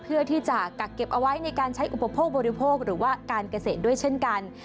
เพื่อที่จะกักเก็บเอาไว้ในการใช้อุปโภคบริโภคหรือว่าการเกษตรด้วยเช่นกัน